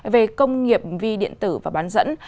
về công nghiệp vi mạch